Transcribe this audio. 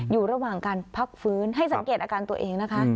อยู่ระหว่างการพักฟื้นให้สังเกตอาการตัวเองนะคะ